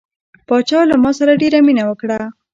پاچا له ما سره ډیره مینه وکړه.